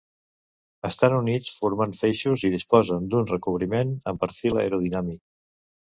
Estan units formant feixos i disposen d'un recobriment amb perfil aerodinàmic.